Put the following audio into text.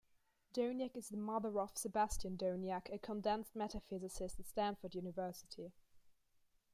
Doniach is the mother of Sebastian Doniach, a condensed matter physicist at Stanford University.